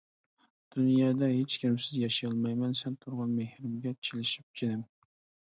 دۇنيادا ھېچكىمسىز ياشىيالمايمەن، سەن تۇرغان مېھرىمگە چىلىشىپ، جېنىم.